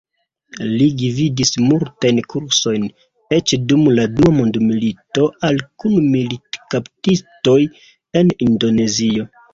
Li gvidis multajn kursojn, eĉ dum la dua mondmilito al kun-militkaptitoj en Indonezio.